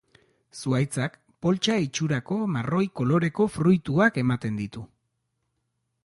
Zuhaitzak, poltsa itxurako marroi koloreko fruituak ematen ditu.